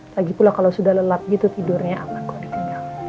lagipula kalau sudah lelap gitu tidurnya aman kalau dia tinggal